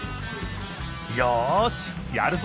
よしやるぞ！